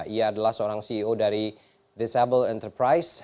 ia adalah seorang ceo dari disable enterprise